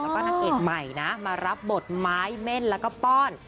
แล้วก็นางเอกใหม่นะมารับบทไม้เม่นแล้วก็ป้อน